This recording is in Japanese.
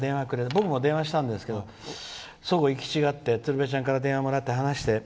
僕も電話をしたんですけど相互行き違って、鶴瓶ちゃんと電話もらって話して。